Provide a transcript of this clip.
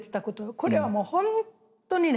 これはもう本当にね